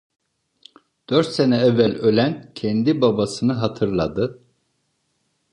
Dört sene evvel ölen kendi babasını hatırladı.